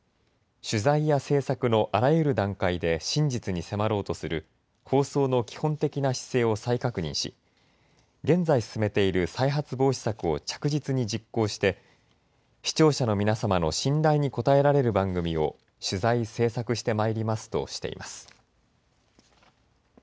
取材や制作のあらゆる段階で真実に迫ろうとする放送の基本的な姿勢を再確認し現在進めている再発防止策を着実に実行して視聴者の皆様の信頼に応えられる番組を取材・制作してまいりますとしています。